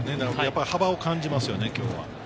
幅を感じますよね、きょうは。